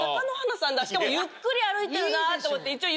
しかもゆっくり歩いてるなって思って。